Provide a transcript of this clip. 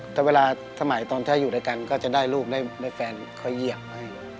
แต่เวลาสมัยตอนถ้าอยู่ด้วยกันก็จะได้ลูกได้แฟนคอยเหยียบไว้